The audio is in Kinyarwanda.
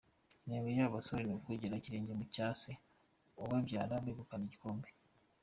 Intego y’aba basore ni ukugera ikirenge mu cya se ubabyara begukana igikombe.